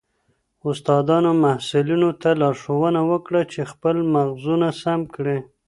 استادانو محصلینو ته لارښوونه وکړه چي خپل ماخذونه سم کړي.